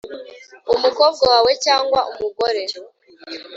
umukobwa wawe cyangwa umugore